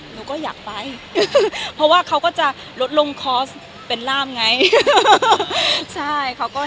หนูก็อยากไปเพราะว่าเขาก็จะลดลงคอร์สเป็นร่ามไง